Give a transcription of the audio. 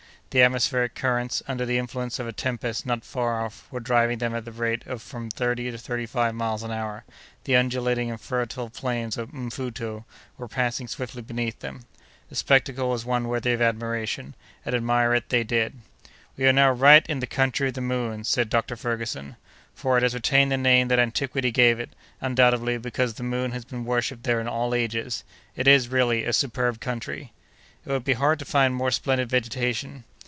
The atmospheric currents, under the influence of a tempest not far off, were driving them at the rate of from thirty to thirty five miles an hour; the undulating and fertile plains of Mfuto were passing swiftly beneath them. The spectacle was one worthy of admiration—and admire it they did. "We are now right in the country of the Moon," said Dr. Ferguson; "for it has retained the name that antiquity gave it, undoubtedly, because the moon has been worshipped there in all ages. It is, really, a superb country." "It would be hard to find more splendid vegetation."